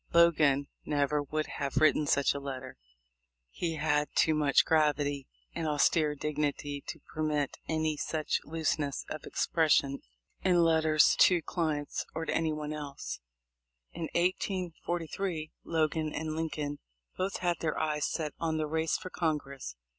Logan never would have written such a letter. He had too much gravity and austere dignity to permit any such looseness of expression in letters to his clients or to anyone else. In 1843, Logan and Lincoln both had their eyes set on the race for Congress.